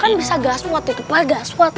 kan bisa gaswat ya tepah gaswat